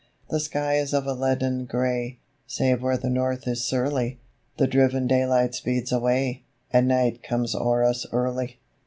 The sky is of a leaden grey, Save where the north is surly, The driven daylight speeds away, And night comes o'er us early.